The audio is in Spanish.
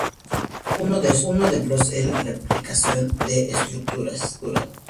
Uno de esos ejemplos es la replicación de estructuras.